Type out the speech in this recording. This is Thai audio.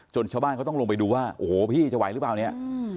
ชาวบ้านเขาต้องลงไปดูว่าโอ้โหพี่จะไหวหรือเปล่าเนี่ย